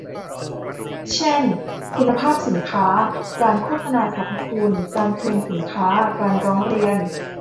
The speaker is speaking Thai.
เช่น คุณภาพสินค้า การโฆษณาสรรพคุณ การเคลมสินค้า การร้องเรียน